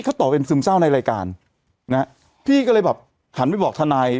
เขาต่อเป็นซึมเศร้าในรายการนะฮะพี่ก็เลยแบบหันไปบอกทนาย